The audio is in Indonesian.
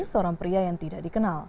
seorang pria yang tidak dikenal